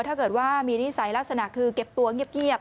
ถ้าเกิดว่ามีนิสัยลักษณะคือเก็บตัวเงียบ